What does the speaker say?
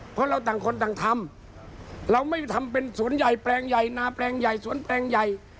เพราะเราต่างคนต่างทำเราไม่ทำเป็นสวนใหญ่แปลงใหญ่นาแปลงใหญ่สวนแปลงใหญ่